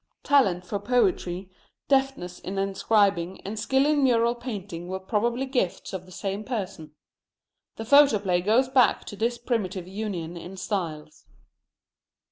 Talent for poetry, deftness in inscribing, and skill in mural painting were probably gifts of the same person. The photoplay goes back to this primitive union in styles.